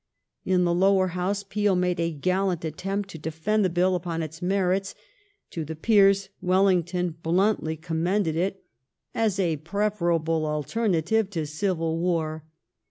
In the Lower House Peel made a gallant attempt to defend the Bill upon its merits ; to the Peei s Wellington bluntly commended it as a preferable alternative to civil war.